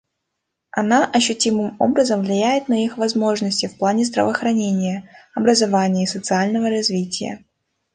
Она ощутимым образом влияет на их возможности в плане здравоохранения, образования и социального развития.